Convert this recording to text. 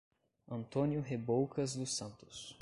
Antônio Reboucas dos Santos